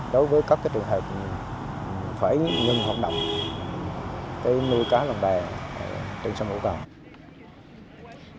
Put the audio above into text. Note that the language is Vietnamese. đối với các cái trường hợp phải ngừng hoạt động nuôi cá lồng bè